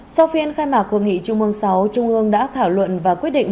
sau phiên khai mạc hội nghị trung mương sáu trung ương đã thảo luận và quyết định